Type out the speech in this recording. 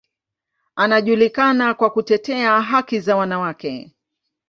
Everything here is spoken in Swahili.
Anajulikana kwa kutetea haki za wanawake.